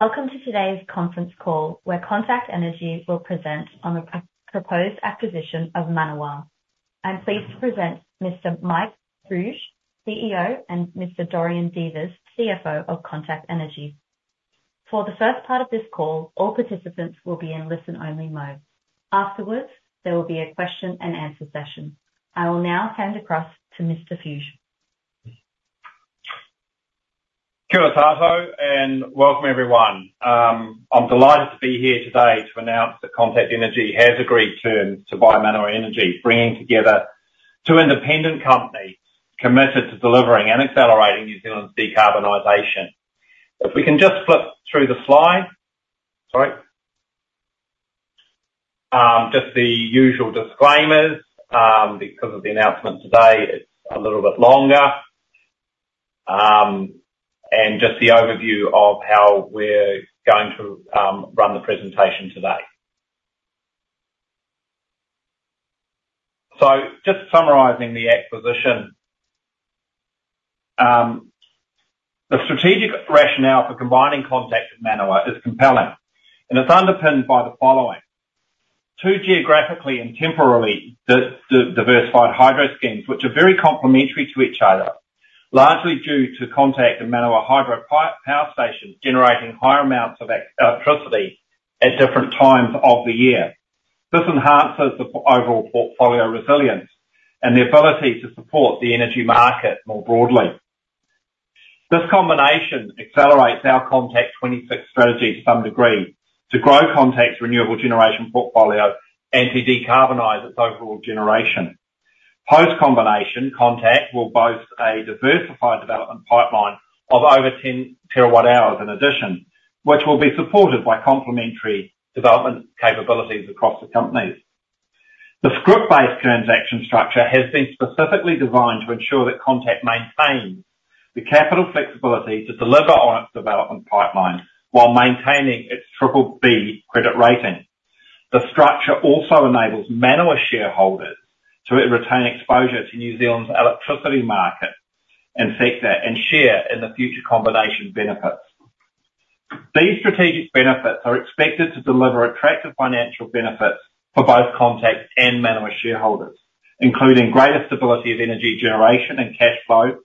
...Welcome to today's conference call, where Contact Energy will present on the proposed acquisition of Manawa. I'm pleased to present Mr. Mike Fuge, CEO, and Mr. Dorian Devers, CFO of Contact Energy. For the first part of this call, all participants will be in listen-only mode. Afterwards, there will be a question and answer session. I will now hand across to Mr. Fuge. Kia ora tātou, and welcome, everyone. I'm delighted to be here today to announce that Contact Energy has agreed to buy Manawa Energy, bringing together two independent companies committed to delivering and accelerating New Zealand's decarbonization. If we can just flip through the slide. Sorry. Just the usual disclaimers. Because of the announcement today, it's a little bit longer. And just the overview of how we're going to run the presentation today. So just summarizing the acquisition. The strategic rationale for combining Contact and Manawa is compelling, and it's underpinned by the following: two geographically and temporally diversified hydro schemes, which are very complementary to each other, largely due to Contact and Manawa hydropower stations generating higher amounts of electricity at different times of the year. This enhances the overall portfolio resilience and the ability to support the energy market more broadly. This combination accelerates our Contact26 strategy to some degree, to grow Contact's renewable generation portfolio and to decarbonize its overall generation. Post-combination, Contact will boast a diversified development pipeline of over 10 TWh in addition, which will be supported by complementary development capabilities across the companies. The scrip-based transaction structure has been specifically designed to ensure that Contact maintains the capital flexibility to deliver on its development pipeline while maintaining its Triple-B credit rating. The structure also enables Manawa shareholders to retain exposure to New Zealand's electricity market and sector, and share in the future combination benefits. These strategic benefits are expected to deliver attractive financial benefits for both Contact and Manawa shareholders, including greater stability of energy generation and cash flow,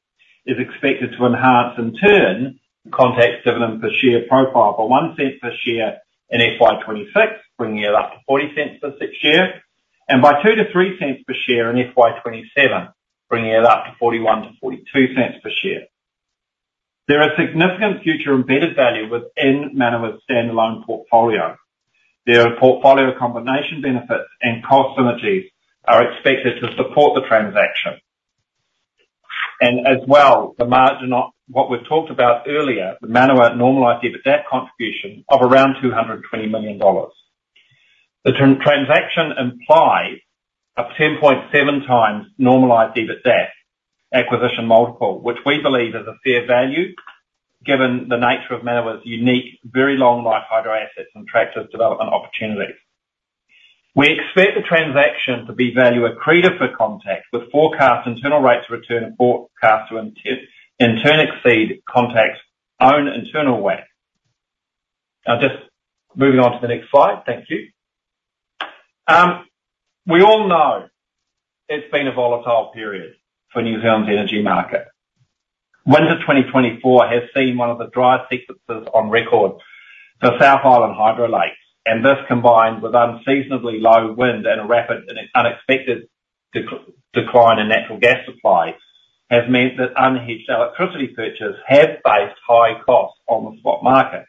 is expected to enhance, in turn, Contact's dividend per share profile by 0.01 per share in FY 2026, bringing it up to 0.40 per share, and by 0.02-0.03 per share in FY 2027, bringing it up to 0.41-0.42 per share. There are significant future embedded value within Manawa's standalone portfolio. Their portfolio combination benefits and cost synergies are expected to support the transaction. And as well, the margin on what we've talked about earlier, the Manawa normalized EBITDA contribution of around 220 million dollars. The transaction implies a 10.7 times normalized EBITDA acquisition multiple, which we believe is a fair value, given the nature of Manawa's unique, very long life hydro assets and attractive development opportunities. We expect the transaction to be value accretive for Contact, with forecast internal rates of return to in turn exceed Contact's own internal WACC. Now, just moving on to the next slide. Thank you. We all know it's been a volatile period for New Zealand's energy market. Winter 2024 has seen one of the driest sequences on record for South Island hydro lakes, and this, combined with unseasonably low wind and a rapid and unexpected decline in natural gas supply, has meant that unhedged electricity purchasers have faced high costs on the spot market.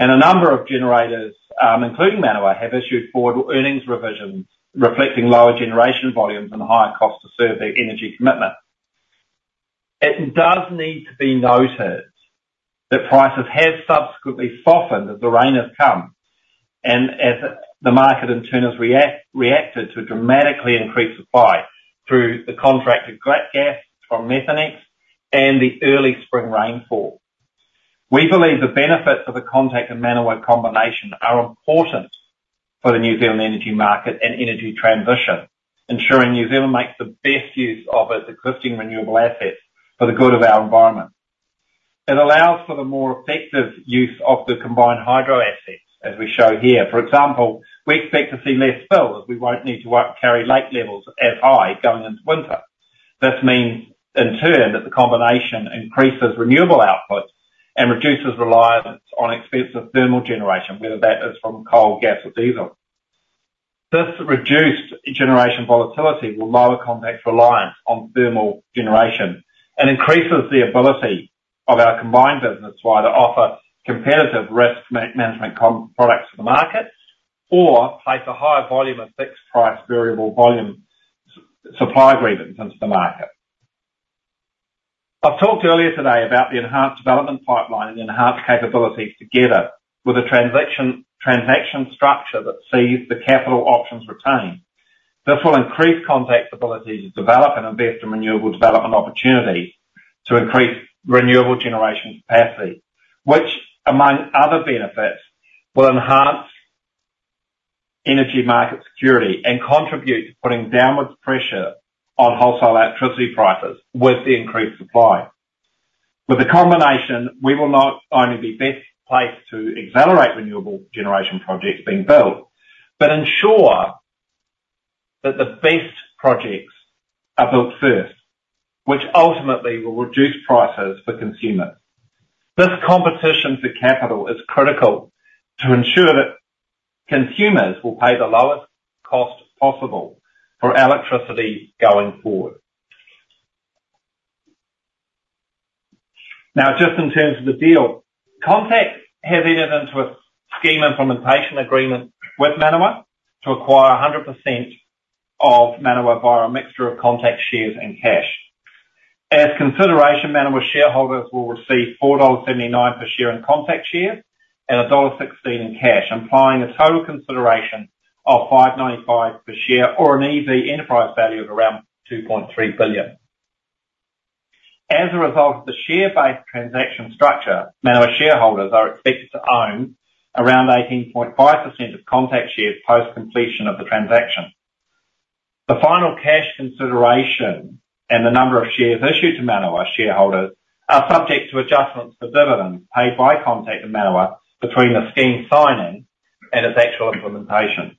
A number of generators, including Manawa, have issued forward earnings revisions, reflecting lower generation volumes and higher costs to serve their energy commitment. It does need to be noted that prices have subsequently softened as the rain has come, and as the market in turn has reacted to dramatically increased supply through the contracted gas from Methanex and the early spring rainfall. We believe the benefits of the Contact and Manawa combination are important for the New Zealand energy market and energy transition, ensuring New Zealand makes the best use of its existing renewable assets for the good of our environment. It allows for the more effective use of the combined hydro assets, as we show here. For example, we expect to see less spills, we won't need to carry lake levels as high going into winter. This means, in turn, that the combination increases renewable output and reduces reliance on expensive thermal generation, whether that is from coal, gas, or diesel. This reduced generation volatility will lower Contact's reliance on thermal generation and increases the ability of our combined business, rather, to offer competitive risk management products to the market, or place a higher volume of fixed price, variable volume supply agreements into the market. I've talked earlier today about the enhanced development pipeline and enhanced capabilities, together with a transaction structure that sees the capital options retained. This will increase Contact's ability to develop and invest in renewable development opportunities to increase renewable generation capacity, which, among other benefits, will enhance energy market security and contribute to putting downward pressure on wholesale electricity prices with the increased supply. With the combination, we will not only be best placed to accelerate renewable generation projects being built, but ensure that the best projects are built first, which ultimately will reduce prices for consumers. This competition for capital is critical to ensure that consumers will pay the lowest cost possible for electricity going forward. Now, just in terms of the deal, Contact has entered into a scheme implementation agreement with Manawa to acquire 100% of Manawa via a mixture of Contact shares and cash. As consideration, Manawa shareholders will receive 4.79 dollars per share in Contact shares and dollar 1.16 in cash, implying a total consideration of 5.95 per share or an EV enterprise value of around 2.3 billion. As a result of the share-based transaction structure, Manawa shareholders are expected to own around 18.5% of Contact shares post-completion of the transaction. The final cash consideration and the number of shares issued to Manawa shareholders are subject to adjustments for dividends paid by Contact to Manawa between the scheme signing and its actual implementation.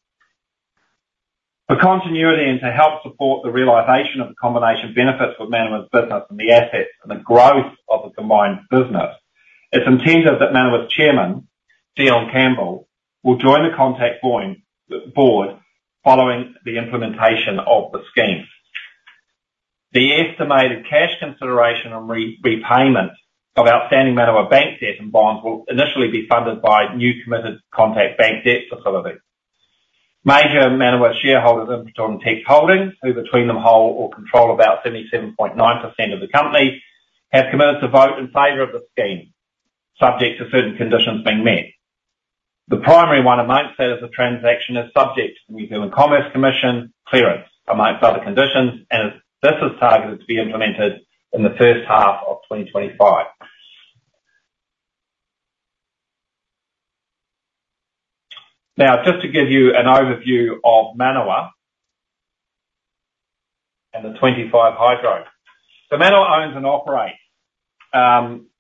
For continuity and to help support the realization of the combination benefits of Manawa's business and the assets and the growth of the combined business, it's intended that Manawa's chairman, Deion Campbell, will join the Contact's board, following the implementation of the scheme. The estimated cash consideration and repayment of outstanding Manawa bank debt and bonds will initially be funded by new committed Contact bank debt facilities. Major Manawa shareholders, Infratil and TECT Holdings, who between them hold or control about 77.9% of the company, have committed to vote in favor of the scheme, subject to certain conditions being met. The primary one among that is the transaction is subject to the Commerce Commission clearance, among other conditions, and this is targeted to be implemented in the first half of 2025. Now, just to give you an overview of Manawa and the 25 hydro. So Manawa owns and operates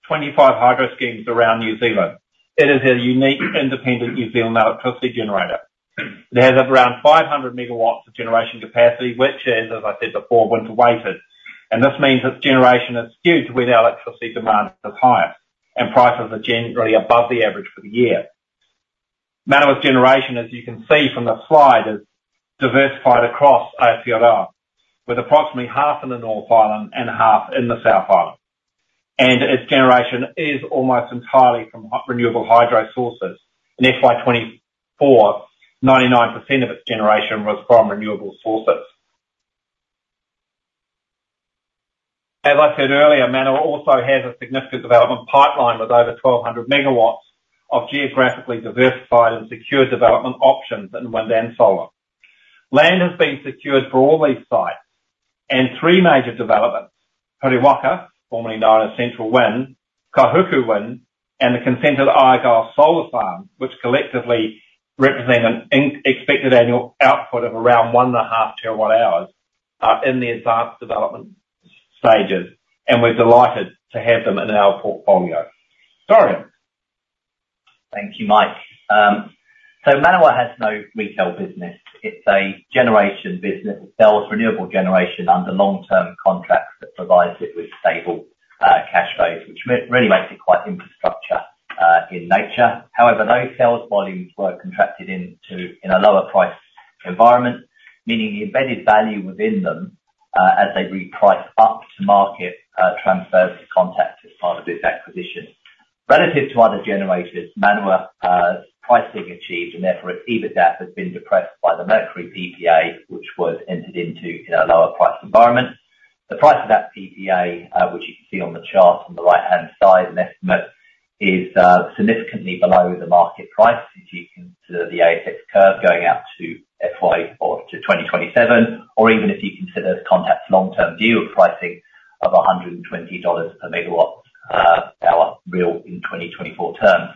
25 hydro schemes around New Zealand. It is a unique, independent New Zealand electricity generator. It has around 500 MW of generation capacity, which is, as I said before, winter weighted, and this means its generation is skewed to when electricity demand is higher and prices are generally above the average for the year. Manawa's generation, as you can see from the slide, is diversified across Aotearoa, with approximately half in the North Island and half in the South Island, and its generation is almost entirely from renewable hydro sources. In FY 2024, 99% of its generation was from renewable sources. As I said earlier, Manawa also has a significant development pipeline, with over 1,200 MW of geographically diversified and secure development options in wind and solar. Land has been secured for all these sites, and three major developments, Kaiwaikawe, formerly known as Central Wind, Kaihuku Wind, and the consented Argyle Solar Farm, which collectively represent an expected annual output of around 1.5 TWh, are in the advanced development stages, and we're delighted to have them in our portfolio. Dorian? Thank you, Mike. So Manawa has no retail business. It's a generation business. It sells renewable generation under long-term contracts that provides it with stable cash flows, which really makes it quite infrastructure in nature. However, those sales volumes were contracted into in a lower price environment, meaning the embedded value within them as they reprice up to market transfers to Contact as part of this acquisition. Relative to other generators, Manawa pricing achieved, and therefore, EBITDA, has been depressed by the Mercury PPA, which was entered into in a lower price environment. The price of that PPA, which you can see on the chart on the right-hand side, an estimate, is significantly below the market price, if you consider the ASX curve going out to FY or to 2027, or even if you consider Contact's long-term view of pricing of 120 dollars per MWh, billed in 2024 terms.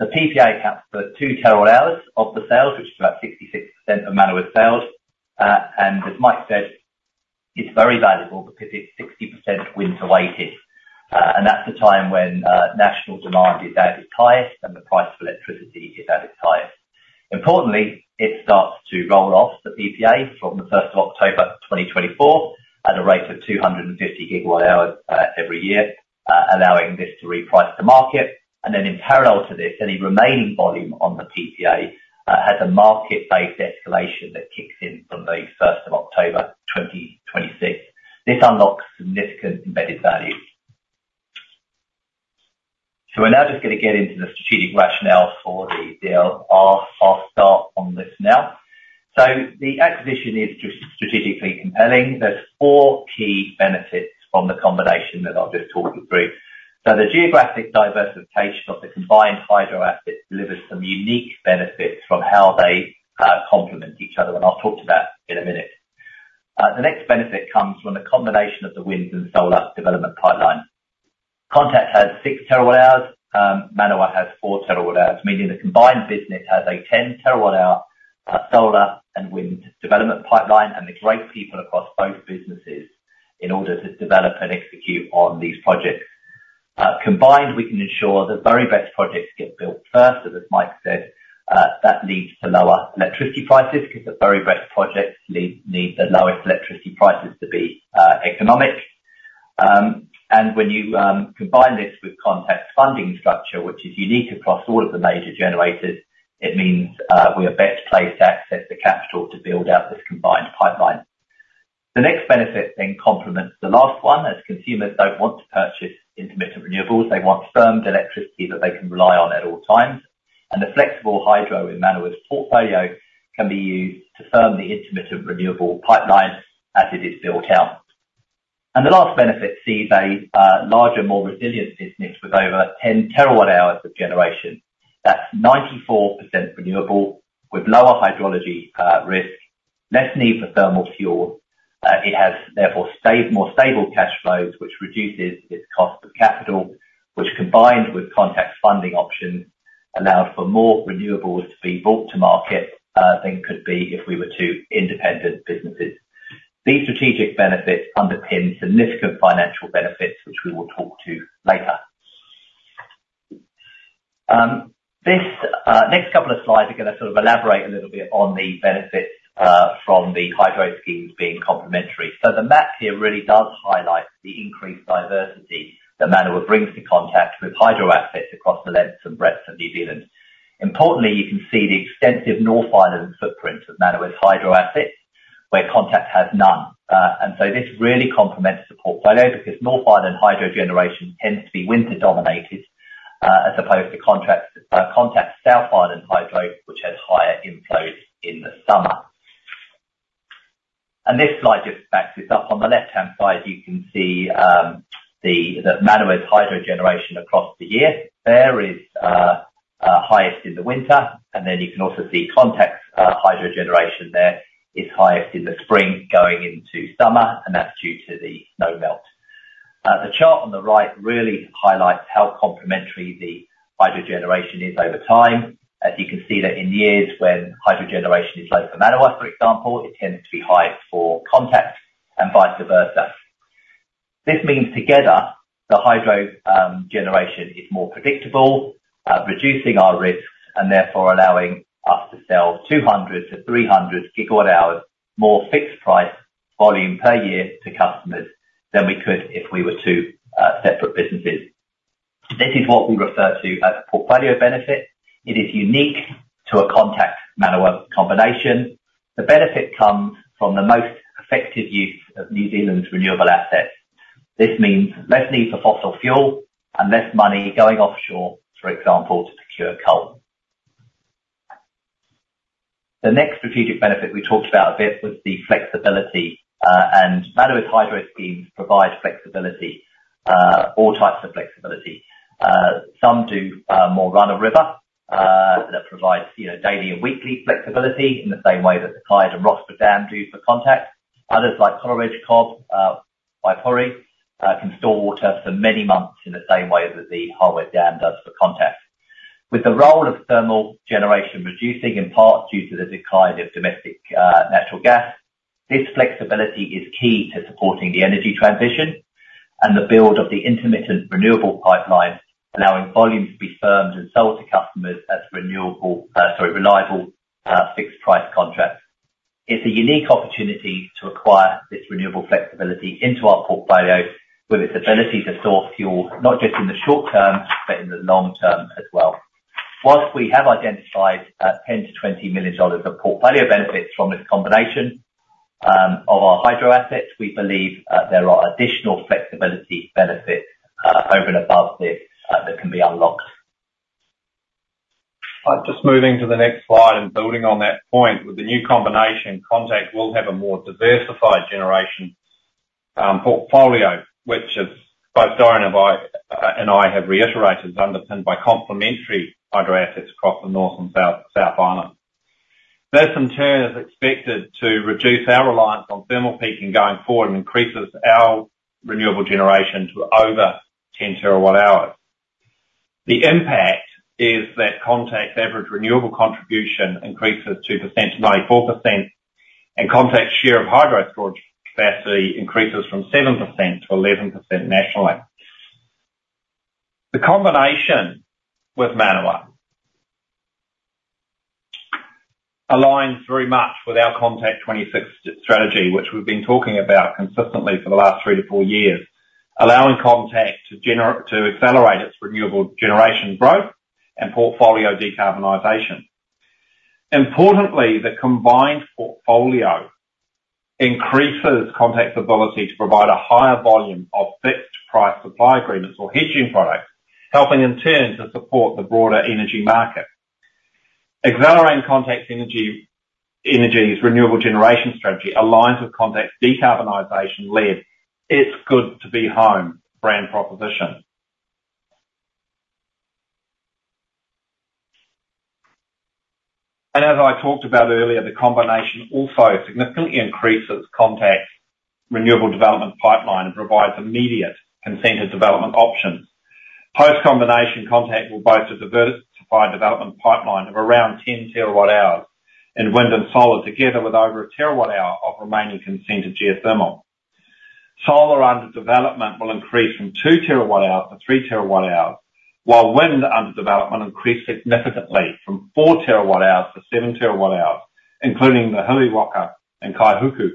The PPA accounts for 2 TWh of the sales, which is about 66% of Manawa's sales, and as Mike said, it's very valuable because it's 60% winter-weighted, and that's the time when national demand is at its highest, and the price of electricity is at its highest. Importantly, it starts to roll off the PPA from the first of October 2024, at a rate of 250 GWh every year, allowing this to reprice the market. And then in parallel to this, any remaining volume on the PPA has a market-based escalation that kicks in from the first of October 2026. This unlocks significant embedded value. So we're now just going to get into the strategic rationale for the deal. I'll, I'll start on this now. So the acquisition is just strategically compelling. There's four key benefits from the combination that I'll just talk you through. So the geographic diversification of the combined hydro assets delivers some unique benefits from how they complement each other, and I'll talk to that in a minute. The next benefit comes from the combination of the wind and solar development pipeline. Contact has 6 TWh, Manawa has 4 TWh, meaning the combined business has a 10 TWh, solar and wind development pipeline, and the great people across both businesses in order to develop and execute on these projects. Combined, we can ensure the very best projects get built first, so as Mike said, that leads to lower electricity prices, because the very best projects need the lowest electricity prices to be economic, and when you combine this with Contact's funding structure, which is unique across all of the major generators, it means we are best placed to access the capital to build out this combined pipeline. The next benefit then complements the last one, as consumers don't want to purchase intermittent renewables, they want firmed electricity that they can rely on at all times, and the flexible hydro in Manawa's portfolio can be used to firm the intermittent renewable pipeline as it is built out. And the last benefit sees a larger, more resilient business, with over 10 TWh of generation. That's 94% renewable, with lower hydrology risk, less need for thermal fuel. It has therefore more stable cash flows, which reduces its cost of capital, which combined with Contact's funding options, allows for more renewables to be brought to market than could be if we were two independent businesses. These strategic benefits underpin significant financial benefits, which we will talk to later. This next couple of slides are going to sort of elaborate a little bit on the benefits from the hydro schemes being complementary. The map here really does highlight the increased diversity that Manawa brings to Contact, with hydro assets across the lengths and breadths of New Zealand. Importantly, you can see the extensive North Island footprint of Manawa's hydro assets, where Contact has none. And so this really complements the portfolio, because North Island hydro generation tends to be winter dominated, as opposed to Contact's South Island hydro, which has higher inflows in the summer. This slide just backs this up. On the left-hand side, you can see the Manawa's hydro generation across the year. There is highest in the winter, and then you can also see Contact's hydro generation there, is highest in the spring going into summer, and that's due to the snow melt. The chart on the right really highlights how complementary the hydro generation is over time. As you can see that in years when hydro generation is low for Manawa, for example, it tends to be high for Contact and vice versa. This means together, the hydro generation is more predictable, reducing our risks, and therefore allowing us to sell two hundred to three hundred gigawatt hours more fixed price volume per year to customers than we could if we were two separate businesses. This is what we refer to as portfolio benefit. It is unique to a Contact-Manawa combination. The benefit comes from the most effective use of New Zealand's renewable assets. This means less need for fossil fuel and less money going offshore, for example, to secure coal. The next strategic benefit we talked about a bit was the flexibility, and Manawa's hydro schemes provide flexibility, all types of flexibility. Some do more run-of-river, that provides, you know, daily and weekly flexibility in the same way that the Clyde and Roxburgh Dam do for Contact. Others, like Cobb, Waipori, can store water for many months in the same way that the Hāwea Dam does for Contact. With the role of thermal generation reducing, in part due to the decline of domestic natural gas, this flexibility is key to supporting the energy transition and the build of the intermittent renewable pipeline, allowing volume to be firmed and sold to customers as renewable, sorry, reliable, fixed price contracts. It's a unique opportunity to acquire this renewable flexibility into our portfolio, with its ability to store fuel, not just in the short term, but in the long term as well. While we have identified 10 million-20 million dollars of portfolio benefits from this combination of our hydro assets, we believe there are additional flexibility benefits over and above this that can be unlocked. Just moving to the next slide and building on that point, with the new combination, Contact will have a more diversified generation portfolio, which as both Dorian and I have reiterated, is underpinned by complementary hydro assets across the North and South Island. This, in turn, is expected to reduce our reliance on thermal peaking going forward and increases our renewable generation to over 10 TWh. The impact is that Contact's average renewable contribution increases 2%-94%, and Contact's share of hydro storage capacity increases from 7%-11% nationally. The combination with Manawa aligns very much with our Contact26 strategy, which we've been talking about consistently for the last three to four years, allowing Contact to accelerate its renewable generation growth and portfolio decarbonization. Importantly, the combined portfolio increases Contact's ability to provide a higher volume of fixed price supply agreements or hedging products, helping in turn to support the broader energy market. Accelerating Contact Energy's renewable generation strategy aligns with Contact's decarbonization lead. It's good to be home brand proposition. As I talked about earlier, the combination also significantly increases Contact's renewable development pipeline and provides immediate consented development options. Post-combination, Contact will boast a diversified development pipeline of around 10 TWh in wind and solar, together with over a terawatt hour of remaining consented geothermal. Solar under development will increase from 2 TWH-3 TWh, while wind under development increased significantly from 4 TWh-7 TWh, including the Kaiwaikawe and Kaihuku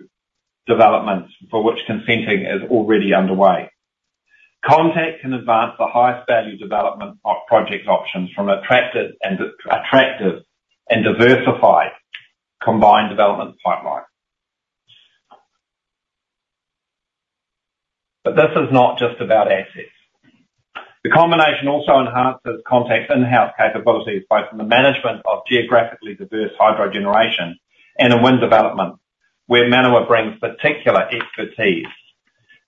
developments, for which consenting is already underway. Contact can advance the highest value development of project options from attractive and diversified combined development pipeline. But this is not just about assets. The combination also enhances Contact's in-house capabilities, both in the management of geographically diverse hydro generation and in wind development, where Manawa brings particular expertise.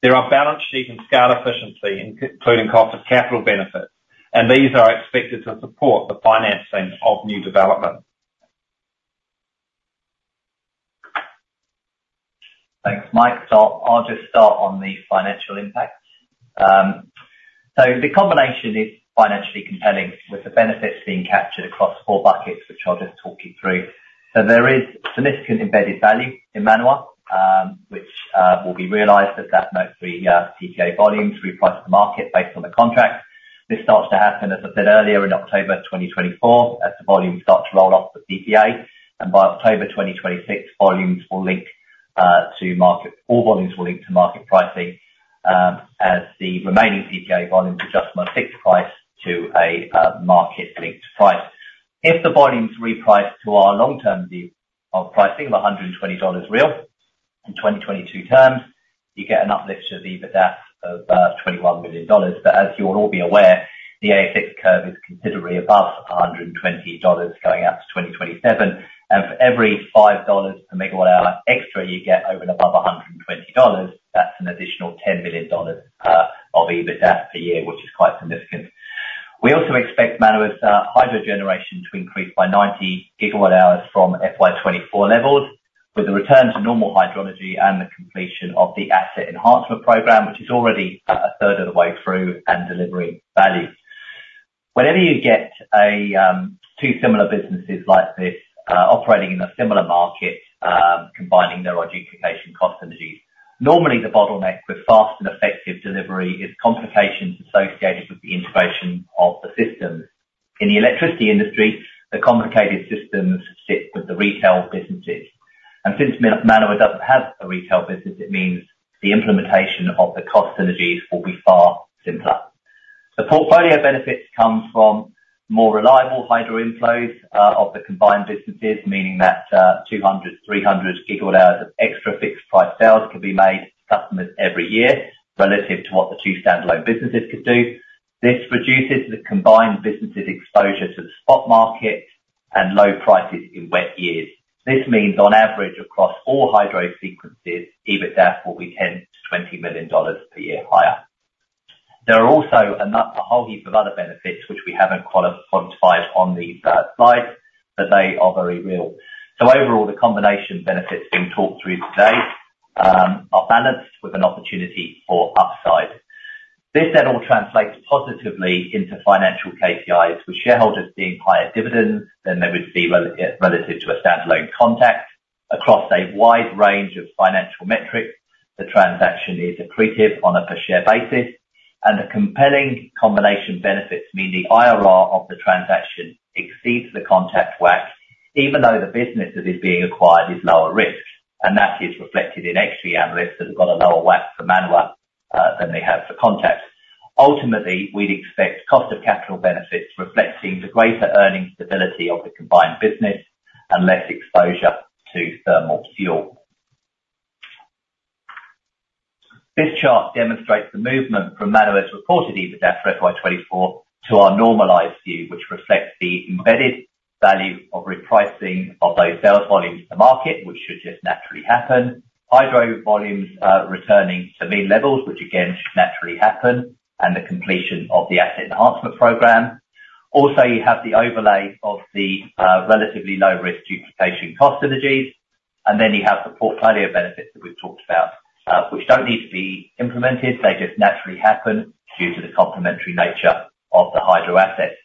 There are balance sheet and scale efficiency, including cost of capital benefits, and these are expected to support the financing of new development. Thanks, Mike. So I'll just start on the financial impact. So the combination is financially compelling, with the benefits being captured across four buckets, which I'll just talk you through. So there is significant embedded value in Manawa, which will be realized as the PPA volumes reprice to the market based on the contract. This starts to happen, as I said earlier, in October 2024, as the volumes start to roll off the PPA, and by October 2026, volumes will link to market, all volumes will link to market pricing, as the remaining PPA volumes adjust from a fixed price to a market-linked price. If the volumes reprice to our long-term view of pricing, of 120 dollars real, in 2022 terms, you get an uplift to the EBITDA of 21 million dollars. As you will all be aware, the ASX curve is considerably above 120 dollars, going out to 2027. For every 5 dollars per megawatt hour extra you get over and above 120 dollars, that's an additional 10 million dollars of EBITDA per year, which is quite significant. We also expect Manawa's hydro generation to increase by 90 GWh from FY 2024 levels, with the return to normal hydrology and the completion of the Asset Enhancement Program, which is already a third of the way through and delivering value. Whenever you get two similar businesses like this, operating in a similar market, combining their duplication cost synergies, normally the bottleneck with fast and effective delivery is complications associated with the integration of the systems. In the electricity industry, the complicated systems sit with the retail businesses, and since Manawa doesn't have a retail business, it means the implementation of the cost synergies will be far simpler. The portfolio benefits come from more reliable hydro inflows of the combined businesses, meaning that 200 GWh-300 GWh of extra fixed price sales can be made to customers every year relative to what the two standalone businesses could do. This reduces the combined businesses' exposure to the spot market and low prices in wet years. This means on average, across all hydro sequences, EBITDA will be 10 million-20 million dollars per year higher. There are also a whole heap of other benefits, which we haven't quantified on the slide, but they are very real. So overall, the combination benefits being talked through today are balanced with an opportunity for upside. This then all translates positively into financial KPIs, with shareholders seeing higher dividends than they would see relative to a standalone Contact. Across a wide range of financial metrics, the transaction is accretive on a per-share basis, and the compelling combination benefits mean the IRR of the transaction exceeds the Contact WACC, even though the business that is being acquired is lower risk, and that is reflected in S&P analysts that have got a lower WACC for Manawa than they have for Contact. Ultimately, we'd expect cost of capital benefits reflecting the greater earning stability of the combined business and less exposure to thermal fuel. This chart demonstrates the movement from Manawa's reported EBITDA for FY 2024 to our normalized view, which reflects the embedded value of repricing of those sales volumes to the market, which should just naturally happen. Hydro volumes returning to mean levels, which again, should naturally happen, and the completion of the Asset Enhancement Program. Also, you have the overlay of the relatively low risk duplication cost synergies, and then you have the portfolio benefits that we've talked about, which don't need to be implemented, they just naturally happen due to the complementary nature of the hydro assets.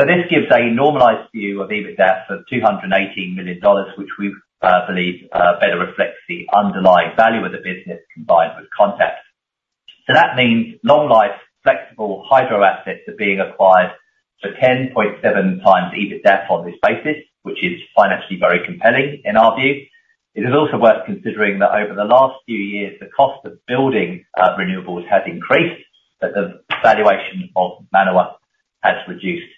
So this gives a normalized view of EBITDA of 218 million dollars, which we believe better reflects the underlying value of the business combined with Contact. So that means long-life, flexible hydro assets are being acquired for 10.7 times EBITDA on this basis, which is financially very compelling in our view. It is also worth considering that over the last few years, the cost of building renewables has increased, but the valuation of Manawa has reduced,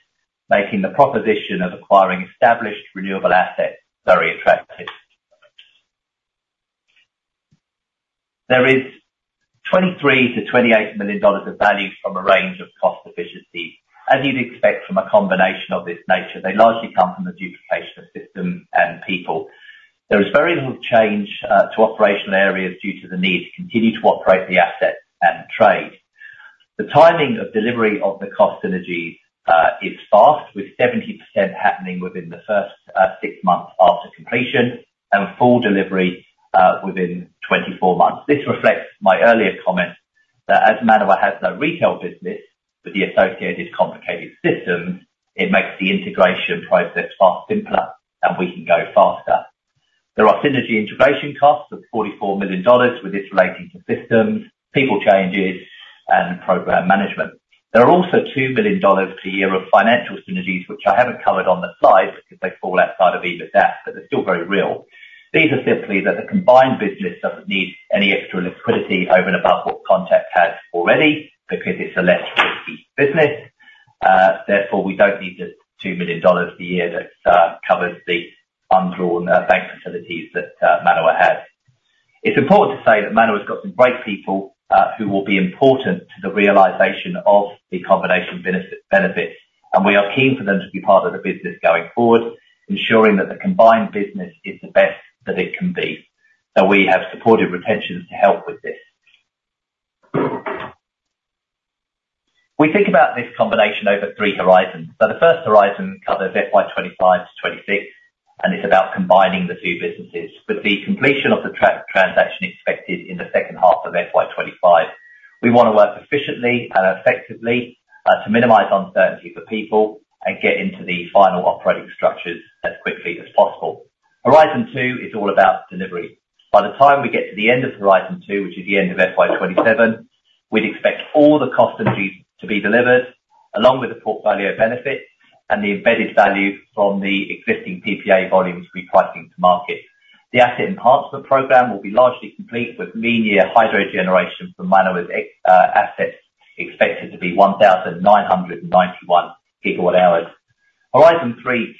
making the proposition of acquiring established renewable assets very attractive. There is 23 million-28 million dollars of value from a range of cost efficiencies. As you'd expect from a combination of this nature, they largely come from the duplication of systems and people. There is very little change to operational areas due to the need to continue to operate the asset and trade. The timing of delivery of the cost synergy is fast, with 70% happening within the first six months after completion, and full delivery within 24 months. This reflects my earlier comment, that as Manawa has no retail business with the associated complicated systems, it makes the integration process far simpler, and we can go faster. There are synergy integration costs of 44 million dollars, with this relating to systems, people changes, and program management. There are also 2 million dollars per year of financial synergies, which I haven't covered on the slide, because they fall outside of EBITDA, but they're still very real. These are simply that the combined business doesn't need any extra liquidity over and above what Contact had already, because it's a less risky business. Therefore, we don't need the 2 million dollars a year that covers the undrawn bank facilities that Manawa has. It's important to say that Manawa's got some great people, who will be important to the realization of the combination benefits, and we are keen for them to be part of the business going forward, ensuring that the combined business is the best that it can be. So we have supported retention to help with this. We think about this combination over three horizons. So the first horizon covers FY 2025 to 2026, and it's about combining the two businesses, with the completion of the transaction expected in the second half of FY 2025. We want to work efficiently and effectively, to minimize uncertainty for people, and get into the final operating structures as quickly as possible. Horizon two is all about delivery. By the time we get to the end of horizon two, which is the end of FY 2027, we'd expect all the cost synergies to be delivered, along with the portfolio benefits and the embedded value from the existing PPA volumes repricing to market. The Asset Enhancement Program will be largely complete, with mean year hydro generation from Manawa's existing assets expected to be 1,991 GWh. Horizon three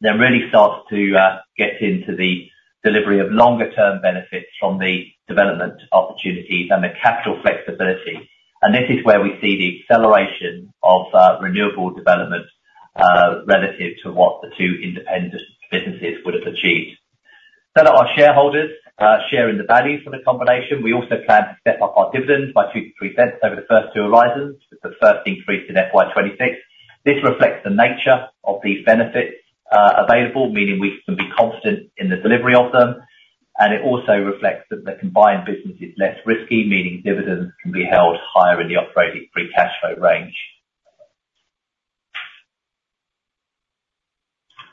then really starts to get into the delivery of longer term benefits from the development opportunities and the capital flexibility. And this is where we see the acceleration of renewable development relative to what the two independent businesses would have achieved. So that our shareholders share in the value from the combination, we also plan to step up our dividends by 0.02-0.03 over the first two horizons, with the first increase in FY 2026. This reflects the nature of these benefits available, meaning we can be confident in the delivery of them, and it also reflects that the combined business is less risky, meaning dividends can be held higher in the operating free cash flow range.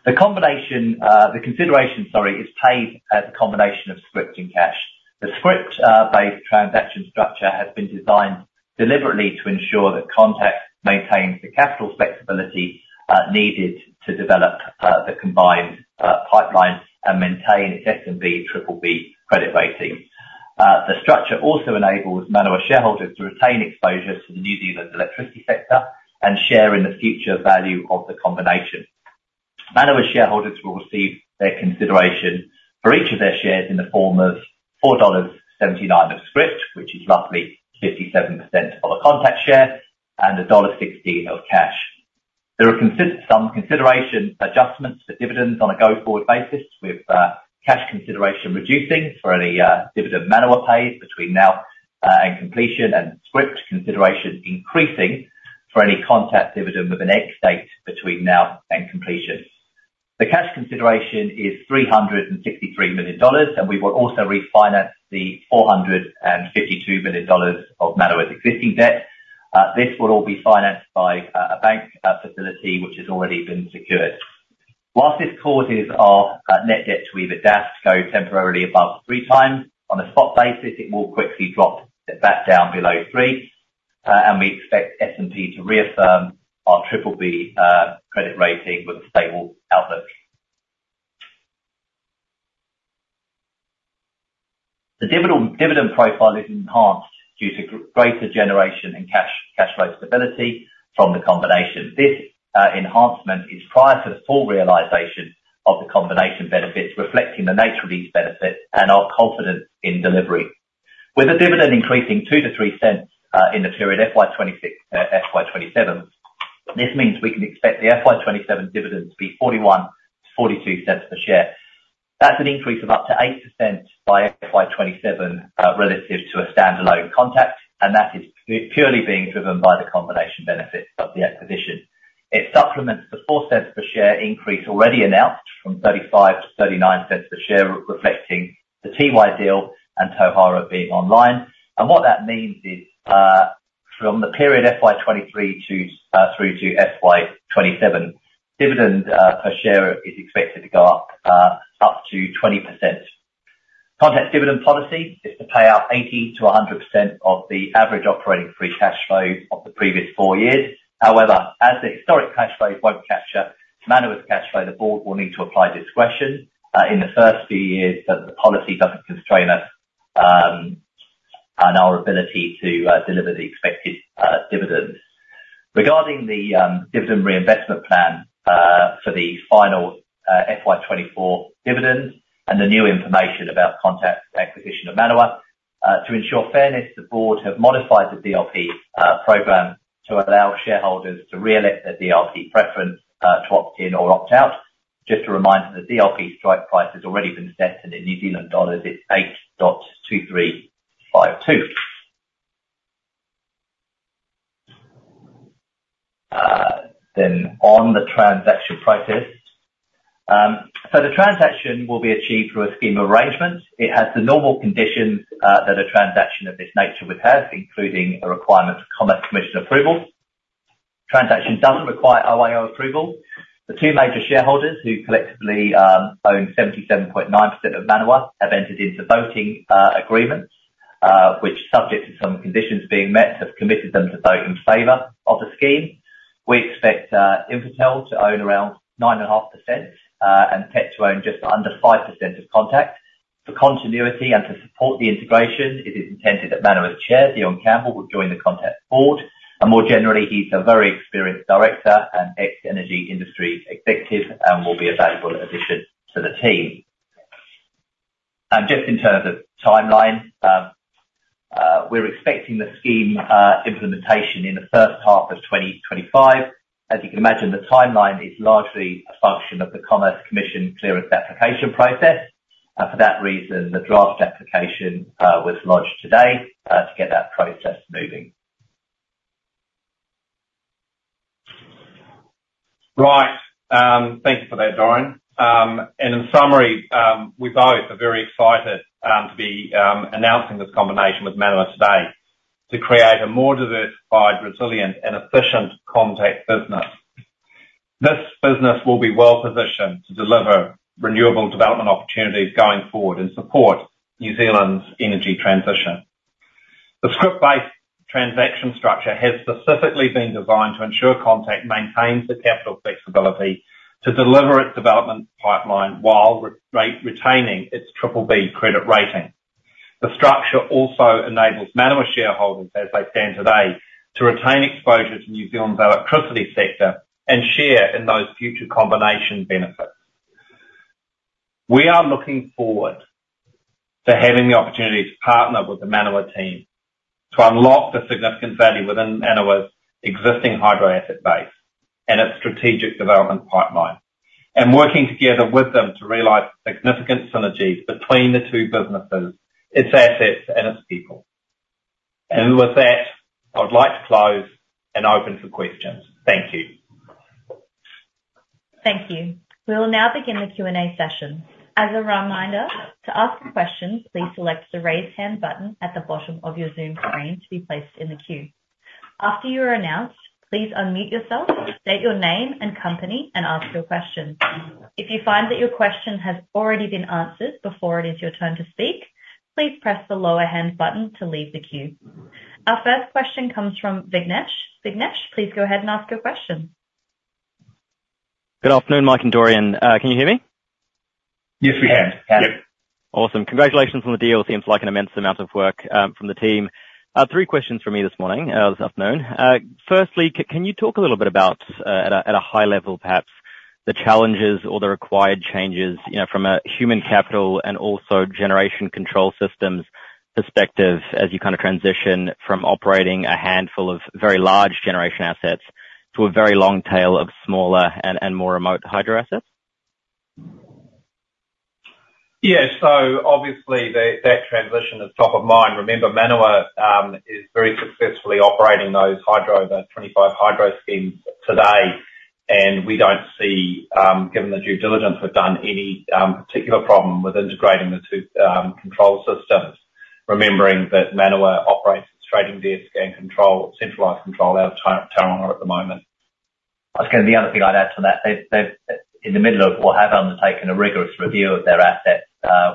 The combination, the consideration, sorry, is paid as a combination of scrip and cash. The scrip based transaction structure has been designed deliberately to ensure that Contact maintains the capital flexibility needed to develop the combined pipeline and maintain its S&P Triple-B credit rating. The structure also enables Manawa shareholders to retain exposure to the New Zealand electricity sector and share in the future value of the combination. Manawa shareholders will receive their consideration for each of their shares in the form of 4.79 dollars of scrip, which is roughly 57% of a Contact share, and dollar 1.16 of cash. There are some consideration adjustments for dividends on a go-forward basis, with cash consideration reducing for any dividend Manawa pays between now and completion, and scrip consideration increasing for any Contact dividend with an ex-date between now and completion. The cash consideration is 363 million dollars, and we will also refinance the 452 million dollars of Manawa's existing debt. This will all be financed by a bank facility, which has already been secured. Whilst this causes our net debt to EBITDA to go temporarily above three times, on a spot basis, it will quickly drop it back down below three, and we expect S&P to reaffirm our Triple-B credit rating with a stable outlook. The dividend profile is enhanced due to greater generation and cash flow stability from the combination. This enhancement is prior to the full realization of the combination benefits, reflecting the nature of these benefits and our confidence in delivery. With the dividend increasing two to three cents in the period FY 2026, FY 2027, this means we can expect the FY 2027 dividend to be 0.41-0.42 per share. That's an increase of up to 8% by FY 2027, relative to a standalone Contact, and that is purely being driven by the combination benefits of the acquisition. It supplements the 4 cents per share increase already announced, from 35-39 a share, reflecting the Tiwai deal and Tauhara being online. What that means is, from the period FY 2023 through to FY 2027, dividend per share is expected to go up to 20%. Contact's dividend policy is to pay out 80%-100% of the average operating free cash flow of the previous four years. However, as the historic cash flow won't capture Manawa's cash flow, the board will need to apply discretion in the first few years, so that the policy doesn't constrain us on our ability to deliver the expected dividends. Regarding the dividend reinvestment plan for the final FY 2024 dividends and the new information about Contact's acquisition of Manawa to ensure fairness, the board have modified the DRP program to allow shareholders to reelect their DRP preference to opt in or opt out.... Just a reminder, the DRP strike price has already been set in NZD. It's 8.2352 New Zealand dollars. Then on the transaction price. So the transaction will be achieved through a scheme of arrangement. It has the normal conditions that a transaction of this nature would have, including a requirement for Commerce Commission approval. Transaction doesn't require OIO approval. The two major shareholders, who collectively own 77.9% of Manawa, have entered into voting agreements which, subject to some conditions being met, have committed them to vote in favor of the scheme. We expect Infratil to own around 9.5%, and TECT to own just under 5% of Contact. For continuity and to support the integration, it is intended that Manawa's chair, Deion Campbell, will join the Contact board, and more generally, he's a very experienced director and ex-energy industry executive and will be a valuable addition to the team. Just in terms of timeline, we're expecting the scheme implementation in the first half of 2025. As you can imagine, the timeline is largely a function of the Commerce Commission clearance application process, and for that reason, the draft application was lodged today to get that process moving. Right. Thank you for that, Dorian. And in summary, we both are very excited to be announcing this combination with Manawa today, to create a more diversified, resilient, and efficient Contact business. This business will be well-positioned to deliver renewable development opportunities going forward, and support New Zealand's energy transition. The scrip-based transaction structure has specifically been designed to ensure Contact maintains the capital flexibility to deliver its development pipeline, while retaining its Triple-B credit rating. The structure also enables Manawa shareholders, as they stand today, to retain exposure to New Zealand's electricity sector and share in those future combination benefits. We are looking forward to having the opportunity to partner with the Manawa team, to unlock the significant value within Manawa's existing hydro asset base and its strategic development pipeline, and working together with them to realize significant synergies between the two businesses, its assets, and its people. And with that, I would like to close and open for questions. Thank you. Thank you. We will now begin the Q&A session. As a reminder, to ask a question, please select the Raise Hand button at the bottom of your Zoom screen to be placed in the queue. After you are announced, please unmute yourself, state your name and company, and ask your question. If you find that your question has already been answered before it is your turn to speak, please press the Lower Hand button to leave the queue. Our first question comes from Vignesh. Vignesh, please go ahead and ask your question. Good afternoon, Mike and Dorian. Can you hear me? Yes, we can. Yep. Awesome. Congratulations on the deal. Seems like an immense amount of work from the team. Three questions from me this morning, this afternoon. Firstly, can you talk a little bit about, at a high level, perhaps, the challenges or the required changes, you know, from a human capital and also generation control systems perspective, as you kind of transition from operating a handful of very large generation assets to a very long tail of smaller and more remote hydro assets? Yeah. So obviously, that, that transition is top of mind. Remember, Manawa is very successfully operating those hydro, the 25 hydro schemes today, and we don't see, given the due diligence we've done, any particular problem with integrating the two control systems, remembering that Manawa operates its trading desk and control, centralized control out of Tauranga at the moment. The other thing I'd add to that, they've in the middle of, or have undertaken a rigorous review of their asset,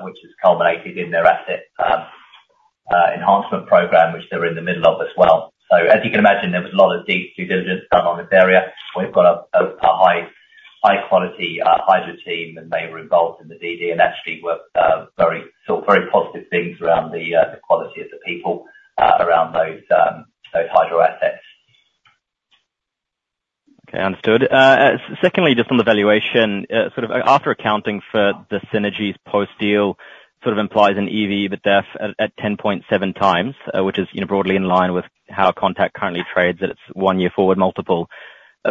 which has culminated in their Asset Enhancement Program, which they're in the middle of as well. So as you can imagine, there was a lot of deep due diligence done on this area. We've got a high quality hydro team, and they were involved in the DD, and actually were very saw very positive things around the quality of the people around those hydro assets. Okay, understood. Secondly, just on the valuation, sort of after accounting for the synergies post-deal, sort of implies an EV, but that's at 10.7 times, which is, you know, broadly in line with how Contact currently trades at its one-year forward multiple.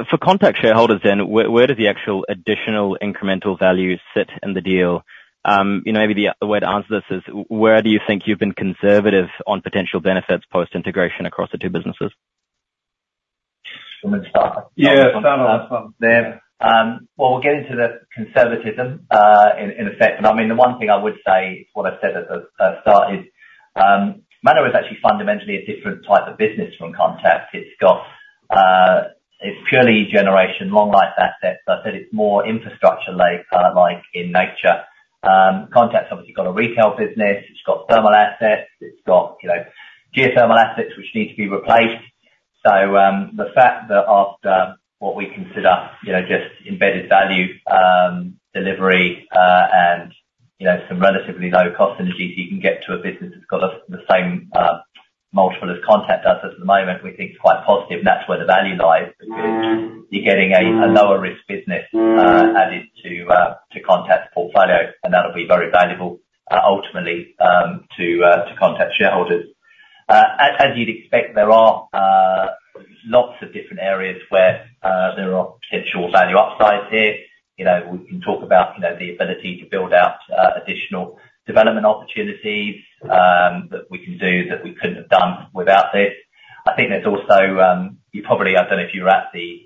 For Contact shareholders then, where does the actual additional incremental value sit in the deal? You know, maybe the way to answer this is, where do you think you've been conservative on potential benefits post-integration across the two businesses? You want me to start? Yeah, start on that one. Well, we'll get into the conservatism in effect. I mean, the one thing I would say, what I said at the start is, Manawa is actually fundamentally a different type of business from Contact. It's got... It's purely generation, long life assets, but I said it's more infrastructure-like, like, in nature. Contact's obviously got a retail business, it's got thermal assets, it's got, you know, geothermal assets, which need to be replaced. So, the fact that after what we consider, you know, just embedded value, delivery, and, you know, some relatively low-cost energies, you can get to a business that's got the same multiple as Contact does as of the moment, we think is quite positive, and that's where the value lies. You're getting a lower risk business added to Contact's portfolio, and that'll be very valuable ultimately to Contact shareholders. As you'd expect, there are lots of different areas where there are potential value upsides here. You know, we can talk about, you know, the ability to build out additional development opportunities that we can do that we couldn't have done without this. I think there's also, you probably- I don't know if you were at the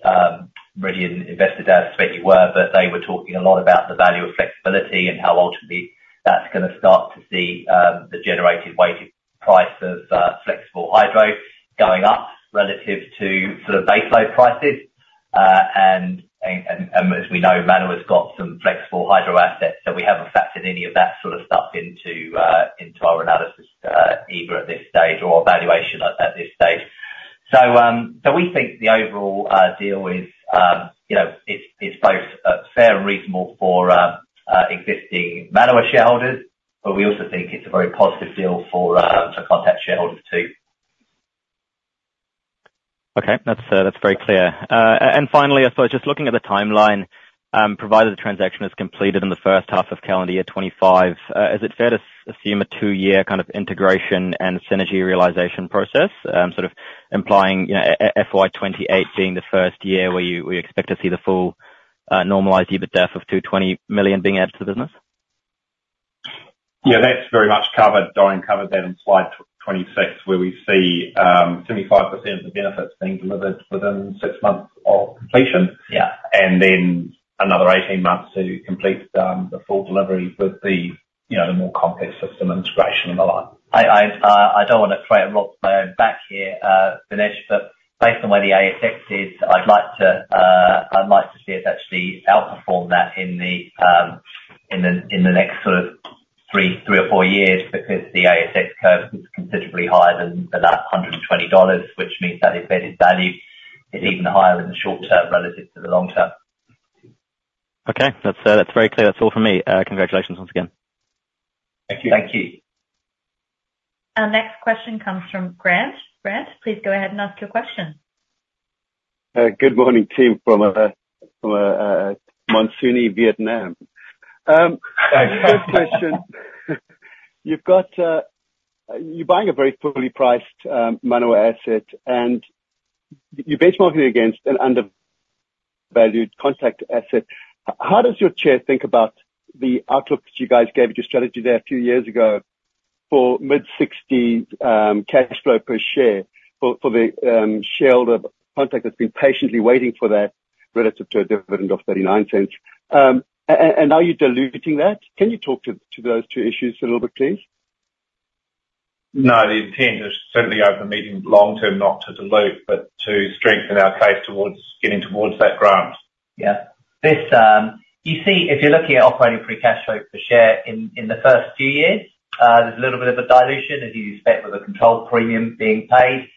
Meridian Investor Day, I expect you were, but they were talking a lot about the value of flexibility and how ultimately that's gonna start to see the generated weighted price of flexible hydro going up relative to sort of base load prices. And as we know, Manawa has got some flexible hydro assets that we haven't factored any of that sort of stuff into our analysis, either at this stage or valuation like that at this stage. So we think the overall deal is, you know, it's both fair and reasonable for existing Manawa shareholders, but we also think it's a very positive deal for Contact shareholders, too. Okay. That's, that's very clear. And finally, I suppose, just looking at the timeline, provided the transaction is completed in the first half of calendar year 2025, is it fair to assume a two-year kind of integration and synergy realization process? Sort of implying, you know, FY 2028 being the first year where you, where you expect to see the full, normalized EBITDA of 220 million being added to the business? Yeah, that's very much covered. Dorian covered that on slide 26, where we see 75% of the benefits being delivered within six months of completion. Yeah. And then another eighteen months to complete the full delivery with the, you know, the more complex system integration and the like. I don't want to rock my own boat here, Vignesh, but based on where the ASX is, I'd like to see us actually outperform that in the next sort of three or four years, because the ASX curve is considerably higher than that 120 dollars, which means that embedded value is even higher in the short term relative to the long term. Okay. That's, that's very clear. That's all from me. Congratulations once again. Thank you. Thank you. Our next question comes from Grant. Grant, please go ahead and ask your question. Good morning, team, from monsoony Vietnam. First question: You've got, you're buying a very poorly priced Manawa asset, and you're benchmarking it against an undervalued Contact asset. How does your chair think about the outlook that you guys gave with your strategy there a few years ago for mid-sixty cash flow per share for the shareholder Contact that's been patiently waiting for that, relative to a dividend of 0.39? And are you diluting that? Can you talk to those two issues a little bit, please? No, the intent is certainly over the medium long term, not to dilute, but to strengthen our case towards getting towards that Grant. Yeah. This, you see, if you're looking at operating free cash flow per share in the first few years, there's a little bit of a dilution, as you expect with a control premium being paid.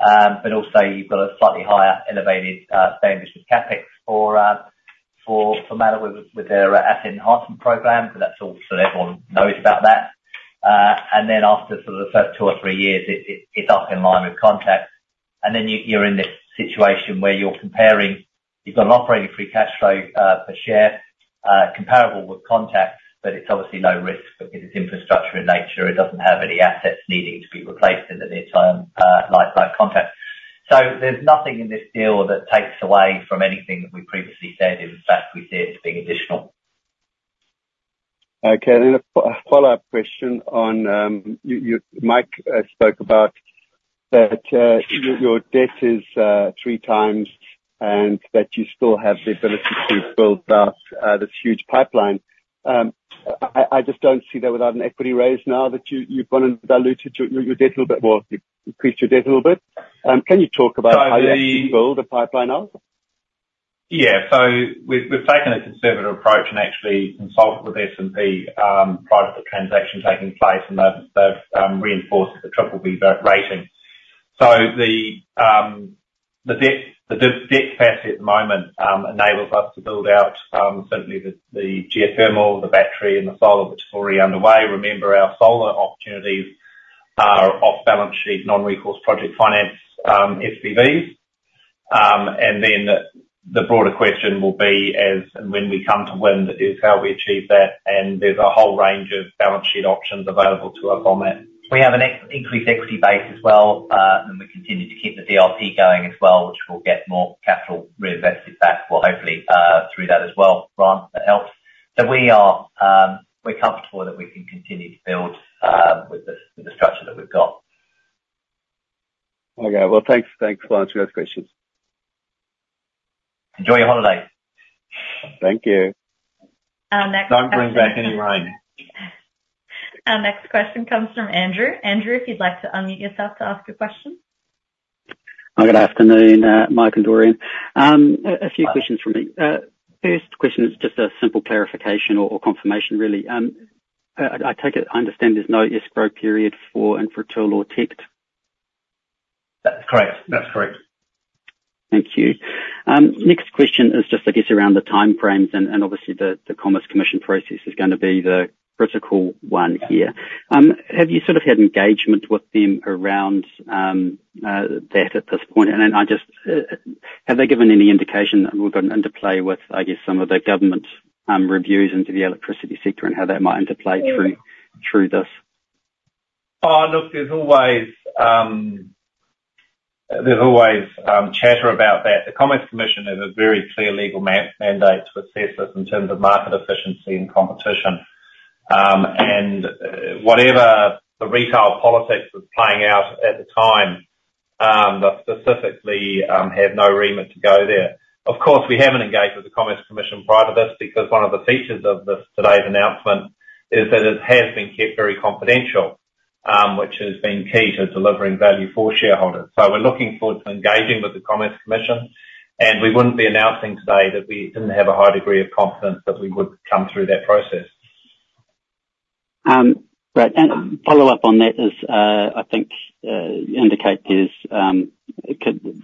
But also you've got a slightly higher elevated spend with CapEx for Manawa with their Asset Enhancement Program, so that's all so everyone knows about that. And then after sort of the first two or three years, it's up in line with Contact. Then you're in this situation where you're comparing. You've got an operating free cash flow per share comparable with Contact, but it's obviously low risk because it's infrastructure in nature. It doesn't have any assets needing to be replaced in the near term, like by Contact. So there's nothing in this deal that takes away from anything that we previously said. In fact, we see it as being additional. Okay. Then a follow-up question on, you, Mike, spoke about that, your debt is three times, and that you still have the ability to build out this huge pipeline. I just don't see that without an equity raise now that you've gone and diluted your debt a little bit, well, increased your debt a little bit. Can you talk about- So the- How you actually build the pipeline now? Yeah. So we've taken a conservative approach and actually consulted with S&P prior to the transaction taking place, and they've reinforced the Triple-B rating. So the debt capacity at the moment enables us to build out certainly the geothermal, the battery, and the solar, which is already underway. Remember, our solar opportunities are off balance sheet, non-recourse project finance SPVs. And then the broader question will be as and when we come to wind, is how we achieve that, and there's a whole range of balance sheet options available to us on that. We have an increased equity base as well, and we continue to keep the DRP going as well, which will get more capital reinvested back, well, hopefully, through that as well, Grant, that helps, so we are, we're comfortable that we can continue to build with this, with the structure that we've got. Okay. Well, thanks. Thanks for answering those questions. Enjoy your holiday. Thank you. Our next- Don't bring back any rain. Our next question comes from Andrew. Andrew, if you'd like to unmute yourself to ask a question. Good afternoon, Mike and Dorian. A few questions from me. First question is just a simple clarification or confirmation, really. I take it, I understand there's no escrow period for Infratil or TECT? That's correct. That's correct. Thank you. Next question is just, I guess, around the timeframes, and obviously the Commerce Commission process is gonna be the critical one here. Have you sort of had engagement with them around that at this point? And then I just, have they given any indication that we've got an interplay with, I guess, some of the government reviews into the electricity sector and how that might interplay through this?... Oh, look, there's always chatter about that. The Commerce Commission has a very clear legal mandate to assess this in terms of market efficiency and competition, and whatever the retail politics was playing out at the time, I specifically have no remit to go there. Of course, we haven't engaged with the Commerce Commission prior to this, because one of the features of this, today's announcement, is that it has been kept very confidential, which has been key to delivering value for shareholders, so we're looking forward to engaging with the Commerce Commission, and we wouldn't be announcing today that we didn't have a high degree of confidence that we would come through that process. Right. And follow up on that is, I think, you indicate there's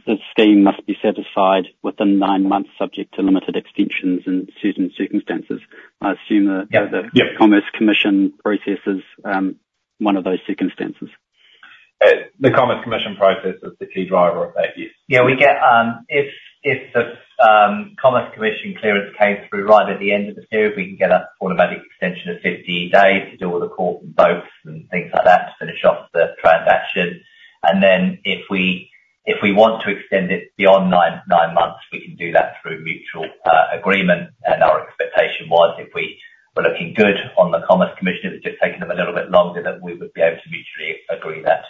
the scheme must be satisfied within nine months, subject to limited extensions in certain circumstances. I assume that- Yeah. Yep. - the Commerce Commission process is, one of those circumstances. The Commerce Commission process is the key driver of that, yes. Yeah, we get, if the Commerce Commission clearance came through right at the end of the period, we can get an automatic extension of fifteen days to deal with the court and votes and things like that, to finish off the transaction. And then if we want to extend it beyond nine months, we can do that through mutual agreement. And our expectation was, if we were looking good on the Commerce Commission, it's just taking them a little bit longer, that we would be able to mutually agree that.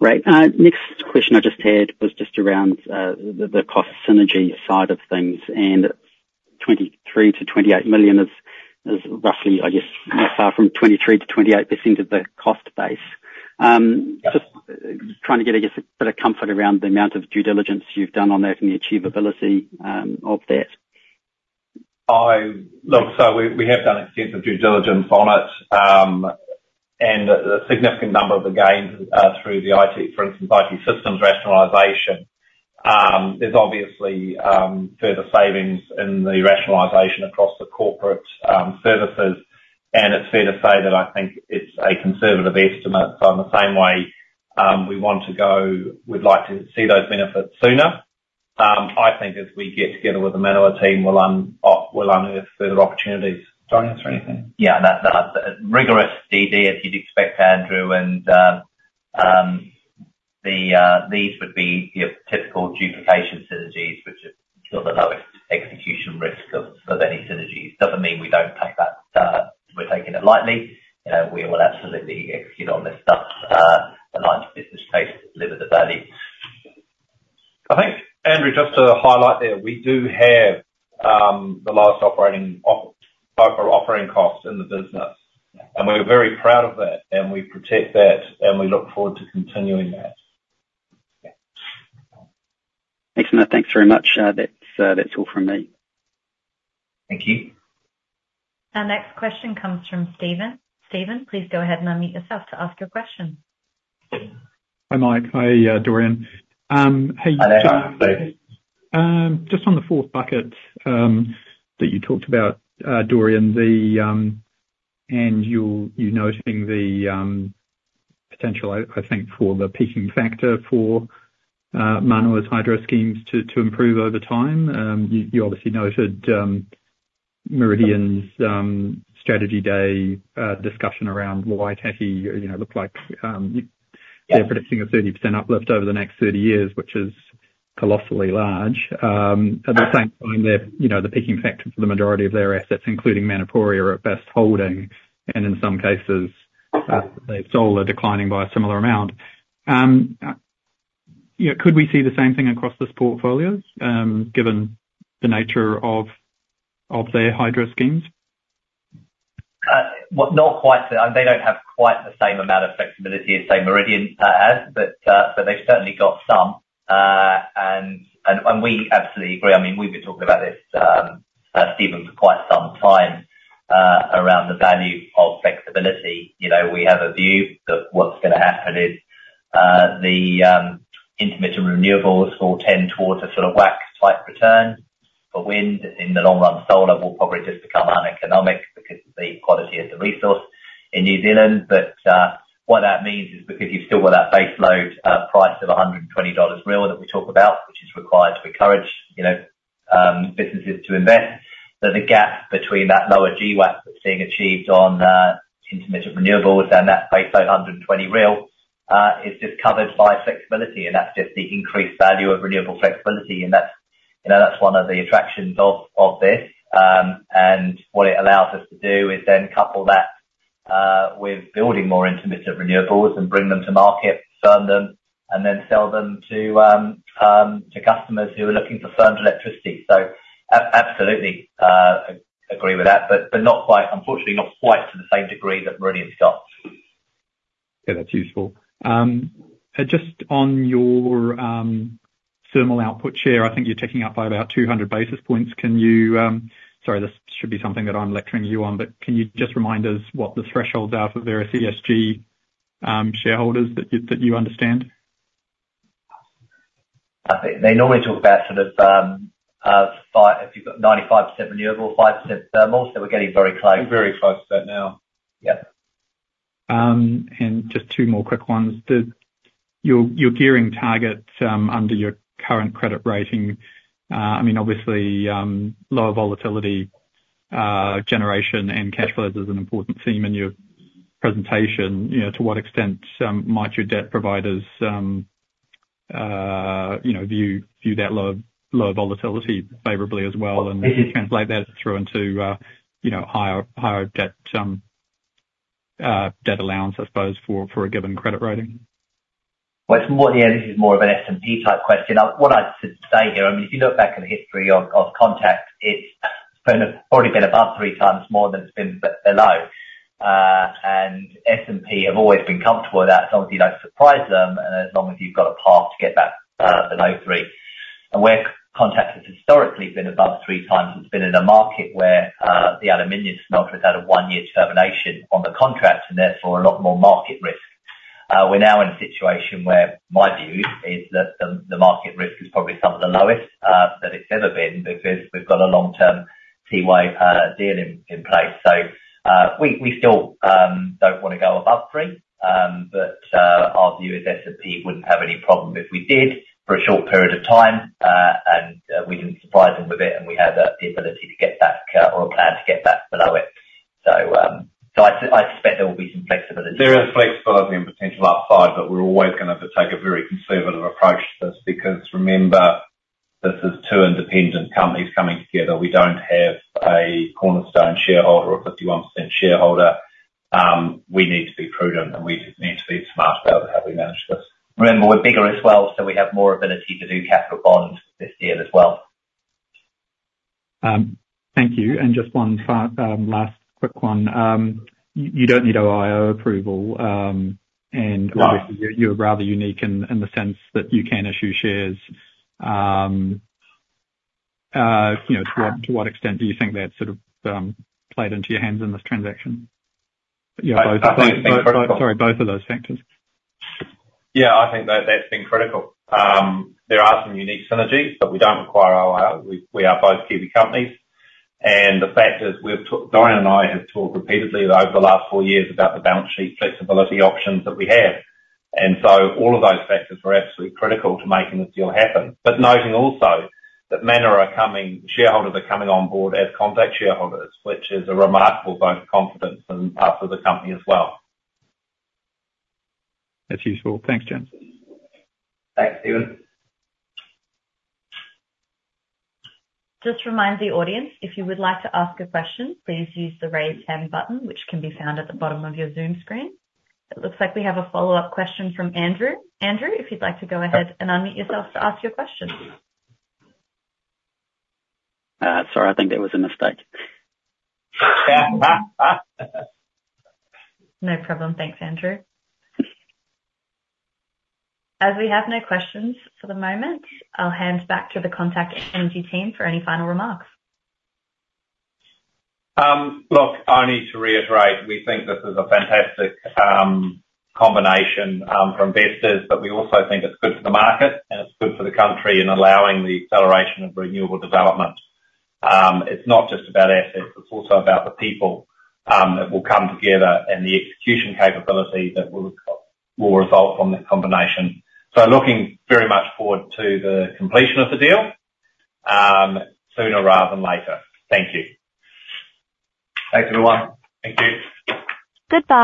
Yep. Great. Next question I just had was just around the cost synergy side of things, and 23-28 million is roughly, I guess, not far from 23%-28% of the cost base. Yeah. Just trying to get, I guess, a bit of comfort around the amount of due diligence you've done on that and the achievability of that. Look, so we have done extensive due diligence on it, and a significant number of the gains through the IT, for instance, IT systems rationalization. There's obviously further savings in the rationalization across the corporate services, and it's fair to say that I think it's a conservative estimate. So in the same way, we want to go, we'd like to see those benefits sooner. I think as we get together with the Manawa team, we'll unearth further opportunities. Do you want to answer anything? Yeah, that, that's a rigorous DD, as you'd expect, Andrew, and, these would be your typical duplication synergies, which are sort of the lowest execution risk of any synergies. Doesn't mean we don't take that, we're taking it lightly. We will absolutely execute on this stuff, align to business pace, deliver the value. I think, Andrew, just to highlight there, we do have the lowest operating costs in the business, and we're very proud of that, and we protect that, and we look forward to continuing that. Yeah. Excellent. Thanks very much. That's all from me. Thank you. Our next question comes from Steven. Steven, please go ahead and unmute yourself to ask your question. Hi, Mike. Hi, Dorian. How are you? Hello. Just on the fourth bucket that you talked about, Dorian, and you noting the potential, I think, for the peaking factor for Manawa's hydro schemes to improve over time. You obviously noted Meridian's strategy day discussion around Waitaki, you know, looked like. Yeah. They're predicting a 30% uplift over the next thirty years, which is colossally large. At the same time, they're, you know, the peaking factor for the majority of their assets, including Manapōuri, are at best holding, and in some cases, they've sold or declining by a similar amount. You know, could we see the same thing across this portfolios, given the nature of, of their hydro schemes? Well, not quite. They don't have quite the same amount of flexibility as, say, Meridian, has, but they've certainly got some. And we absolutely agree. I mean, we've been talking about this, Stephen, for quite some time, around the value of flexibility. You know, we have a view that what's going to happen is, the intermittent renewables will tend towards a sort of WACC-like return. But wind, in the long run, solar, will probably just become uneconomic because of the quality of the resource in New Zealand. But what that means is, because you've still got that base load price of 120 dollars real that we talk about, which is required to encourage, you know, businesses to invest, that the gap between that lower GWAP that's being achieved on intermittent renewables and that base load, 120 real, is just covered by flexibility, and that's just the increased value of renewable flexibility. And that's, you know, that's one of the attractions of this. And what it allows us to do is then couple that with building more intermittent renewables and bring them to market, firm them, and then sell them to customers who are looking for firmed electricity. So absolutely agree with that, but not quite, unfortunately, not quite to the same degree that Meridian's got. Yeah, that's useful. Just on your thermal output share, I think you're ticking up by about 200 basis points. Can you... Sorry, this should be something that I'm lecturing you on, but can you just remind us what the thresholds are for their CSG shareholders that you understand? I think they normally talk about sort of, if you've got 95% renewable, 5% thermal, so we're getting very close. We're very close to that now. Yeah.... and just two more quick ones. Your gearing target under your current credit rating, I mean, obviously, lower volatility generation and cash flows is an important theme in your presentation. You know, to what extent might your debt providers, you know, view that lower volatility favorably as well, and translate that through into, you know, higher debt allowance, I suppose, for a given credit rating? It's more... Yeah, this is more of an S&P type question. What I'd say here, I mean, if you look back at the history of Contact, it's probably been above three times more than it's been below. S&P have always been comfortable with that, so long as you don't surprise them, and as long as you've got a path to get back below three. Where Contact has historically been above three times, it's been in a market where the aluminum smelter has had a one-year termination on the contract, and therefore, a lot more market risk. We're now in a situation where my view is that the market risk is probably some of the lowest that it's ever been, because we've got a long-term Tiwai deal in place. So, we still don't wanna go above three. But our view is S&P wouldn't have any problem if we did, for a short period of time, and we didn't surprise them with it, and we had the ability to get back or a plan to get back below it. So I suspect there will be some flexibility. There is flexibility and potential upside, but we're always gonna have to take a very conservative approach to this, because remember, this is two independent companies coming together. We don't have a cornerstone shareholder or a 51% shareholder. We need to be prudent, and we just need to be smart about how we manage this. Remember, we're bigger as well, so we have more ability to do capital bond this year as well. Thank you. And just one last quick one. You don't need OIO approval, and- Obviously, you're rather unique in the sense that you can issue shares. You know, to what extent do you think that sort of played into your hands in this transaction? Yeah. Sorry, both of those factors. Yeah, I think that that's been critical. There are some unique synergies, but we don't require OIO. We, we are both Kiwi companies, and the fact is we've Dorian and I have talked repeatedly over the last four years about the balance sheet flexibility options that we have. And so all of those factors were absolutely critical to making this deal happen. But noting also, that Manawa shareholders are coming on board as Contact shareholders, which is a remarkable vote of confidence in parts of the company as well. That's useful. Thanks, gents. Thanks, Steven. Just to remind the audience, if you would like to ask a question, please use the Raise Hand button, which can be found at the bottom of your Zoom screen. It looks like we have a follow-up question from Andrew. Andrew, if you'd like to go ahead and unmute yourself to ask your question. Sorry, I think that was a mistake. No problem. Thanks, Andrew. As we have no questions for the moment, I'll hand back to the Contact Energy team for any final remarks. Look, I need to reiterate, we think this is a fantastic combination for investors, but we also think it's good for the market, and it's good for the country in allowing the acceleration of renewable development. It's not just about assets, it's also about the people that will come together, and the execution capability that will result from that combination. So looking very much forward to the completion of the deal sooner rather than later. Thank you. Thanks, everyone. Thank you. Goodbye.